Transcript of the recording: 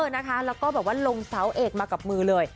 แล้วก็ลงเสาเอกตมากับมือเลย